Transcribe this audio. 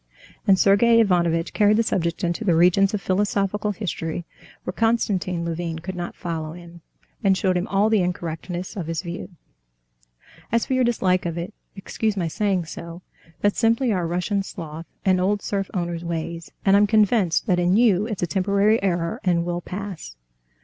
And Sergey Ivanovitch carried the subject into the regions of philosophical history where Konstantin Levin could not follow him, and showed him all the incorrectness of his view. "As for your dislike of it, excuse my saying so, that's simply our Russian sloth and old serf owner's ways, and I'm convinced that in you it's a temporary error and will pass."